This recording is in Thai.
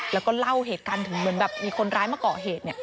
แล้วก็เล่าเหตุการณ์ถึงเหมือนแบบมีคนร้ายมาเกาะเหตุ